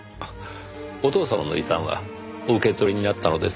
お父様の遺産はお受け取りになったのですか？